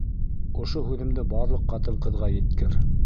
Ошо һүҙемде барлыҡ ҡатын-ҡыҙға еткер.